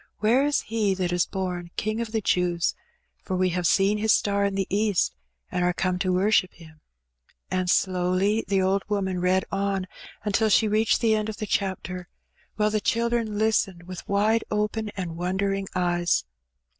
Where is He that is born King ^jf the Jews? for we have seen His star in the east, and are come to worship Him." 58 Her Benny. And slowly the old wsaaaai read on until she reached the end cf Hm chapter^ wUle the children listened with wide open and wondering eyes.